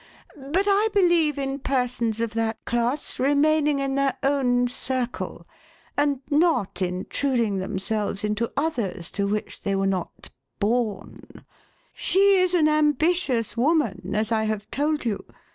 But I believe in persons of that class remaining in their own circle, and not intruding themselves into others to which they were not born. She is an ambitious woman, as I have told you.